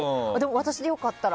私でよかったら。